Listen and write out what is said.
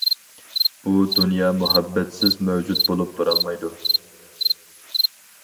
بۇ دۇنيا مۇھەببەتسىز مەۋجۇت بولۇپ تۇرالمايدۇ.